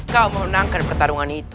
kau menangkan pertarungan itu